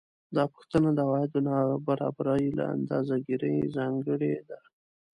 دا پوښتنه د عوایدو د نابرابرۍ له اندازه ګیرۍ ځانګړې ده